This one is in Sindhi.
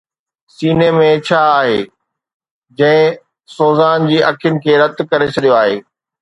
سيني ۾ ڇا آهي جنهن سوزان جي اکين کي رت ڪري ڇڏيو آهي؟